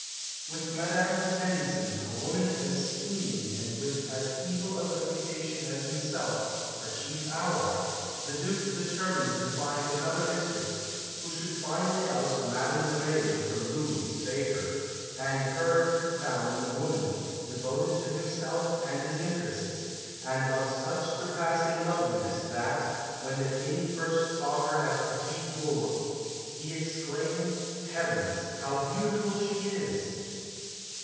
With Madame de Tencin, a woman as scheming and with as evil a reputation as himself, for chief ally, the Due determined to find another mistress who should finally oust Madame de Mailly from Louis' favour; and her he found in a woman, devoted to himself and his interests, and of such surpassing loveliness that, when the King first saw her at Petit Bourg, he exclaimed, "Heavens! how beautiful she is!"